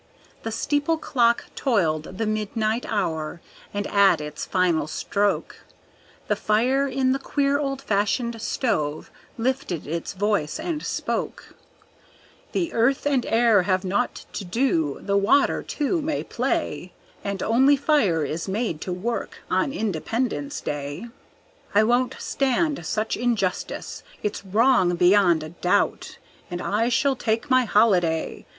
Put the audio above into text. The steeple clock tolled the midnight hour, and at its final stroke, The fire in the queer old fashioned stove lifted its voice and spoke; "The earth and air have naught to do, the water, too, may play, And only fire is made to work on Independence Day. "I won't stand such injustice! It's wrong, beyond a doubt, And I shall take my holiday.